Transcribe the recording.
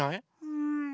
うん。